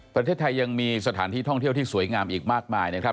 ประเทศไทยยังมีสถานที่ท่องเที่ยวที่สวยงามอีกมากมายนะครับ